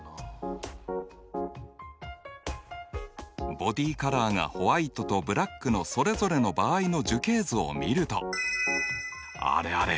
ボディカラーがホワイトとブラックのそれぞれの場合の樹形図を見るとあれあれ？